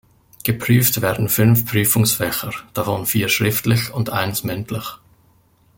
Geprüft werden fünf Prüfungsfächer, davon vier schriftlich und eins mündlich.